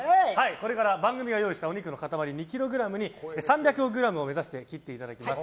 これから番組が用意したお肉の塊２ｋｇに３００ｇを目指して切っていただきます。